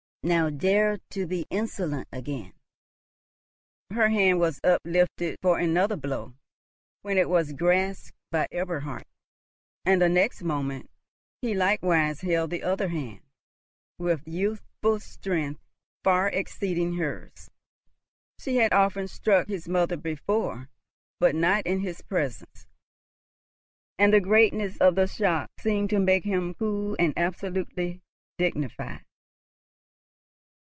"Now! dare to be insolent again." Her hand was uplifted for another blow, when it was grasped by Eberhard, and, the next moment, he likewise held the other hand, with youthful strength far exceeding hers. She had often struck his mother before, but not in his presence, and the greatness of the shock seemed to make him cool and absolutely dignified.